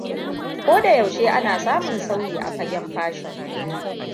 Koda yaushe ana samun sauyi a fagen fashon.